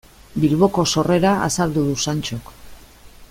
Bilboko sorrera azaldu du Santxok.